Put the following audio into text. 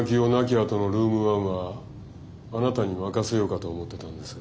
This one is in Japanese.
あとのルーム１はあなたに任せようかと思ってたんですが。